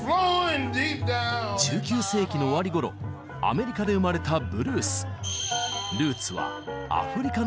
１９世紀の終わり頃アメリカで生まれたブルース。